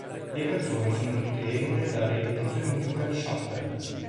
Le canzoni sono tutte edite dalle Edizioni musicali Chappell.